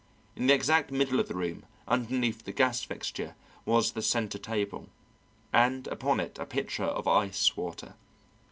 In the exact middle of the room underneath the gas fixture was the centre table, and upon it a pitcher of ice water.